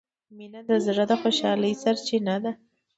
مینه د زړه د خوشحالۍ سرچینه ده.